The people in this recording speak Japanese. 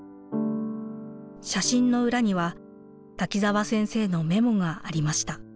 写真の裏には滝沢先生のメモがありました。